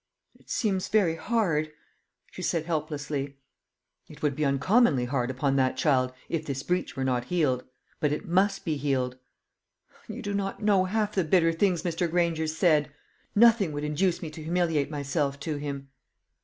"It seems very hard," she said helplessly. "It would be uncommonly hard upon that child, if this breach were not healed. But it must be healed." "You do not know half the bitter things Mr. Granger said. Nothing would induce me to humiliate myself to him."